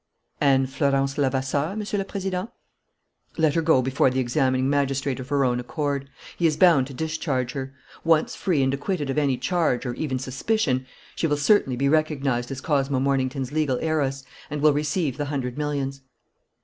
"And Florence Levasseur, Monsieur le Président?" "Let her go before the examining magistrate of her own accord. He is bound to discharge her. Once free and acquitted of any charge or even suspicion, she will certainly be recognized as Cosmo Mornington's legal heiress and will receive the hundred millions."